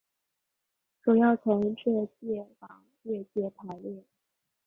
主要从浙界往粤界排列。